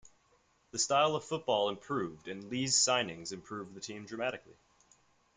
The style of football improved and Lee's signings improved the team dramatically.